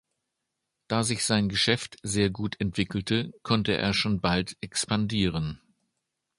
Da sich sein Geschäft sehr gut entwickelte, konnte er schon bald expandieren.